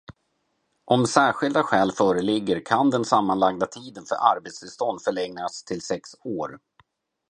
Om särskilda skäl föreligger kan den sammanlagda tiden för arbetstillstånd förlängas till sex år.